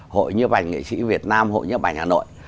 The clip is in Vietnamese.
hội như bảnh nghệ sĩ việt nam hội như bảnh hà nội